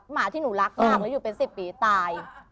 หมาที่หนูรักมากแล้วอยู่เป็น๑๐ปีตาย